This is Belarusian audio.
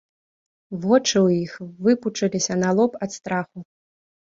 Вочы ў іх выпучыліся на лоб ад страху.